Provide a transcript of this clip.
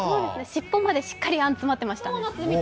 尻尾までしっかりあんが詰まっていました。